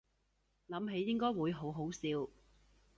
諗起應該會好好笑